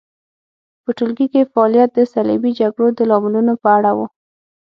په ټولګي کې فعالیت د صلیبي جګړو د لاملونو په اړه و.